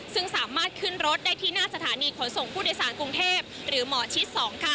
ซึ่งสามารถขึ้นรถได้ที่หน้าสถานีขนส่งผู้โดยสารกรุงเทพหรือหมอชิด๒ค่ะ